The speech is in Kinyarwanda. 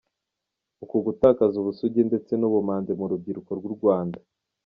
Uku gutakaza ubusugi ndetse n’ubumanzi murubyiruko rw’urwanda.